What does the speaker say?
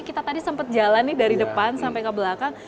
kita tadi sempat jalan nih dari depan sampai ke belakang